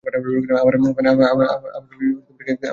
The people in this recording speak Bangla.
আমার ক্যান্সার হয়নি।